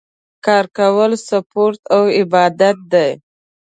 کار کول سپورټ او عبادت دی